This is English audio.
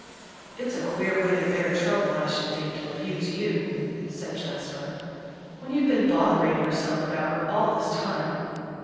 "It's a queer way to bear trouble, I should think, to abuse you," said Jasper, "when you've been bothering yourself about her all this time."